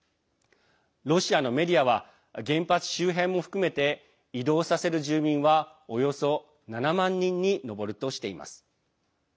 ロシアのメディアは原発周辺も含めて移動させる住民はおよそ７万人に上るとしています。